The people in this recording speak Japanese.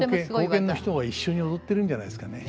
後見の人が一緒に踊ってるんじゃないですかね。